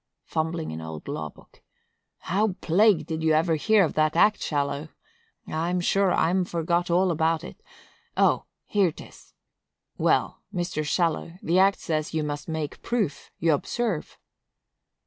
[Fumbling an old law book.] How plagued did you ever hear of that act, Shallow? I'm sure I'm forgot all about it;—O! here 'tis. Well, Mr. Shallow, the act says you must make proof, you observe."